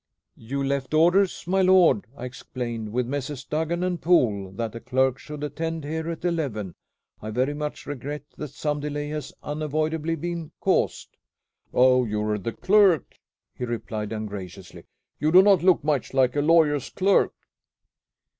"You left orders, my lord," I explained, "with Messrs. Duggan and Poole that a clerk should attend here at eleven. I very much regret that some delay has unavoidably been caused." "Oh, you are the clerk!" he replied ungraciously. "You do not look much like a lawyer's clerk."